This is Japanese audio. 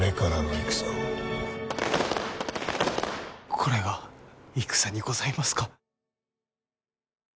これが戦にございますか？